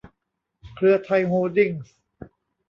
เครือไทย โฮลดิ้งส์